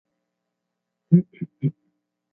Reviews were favourable, but not all so.